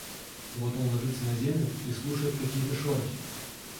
Вот он ложится на землю и слушает какие-то шорохи.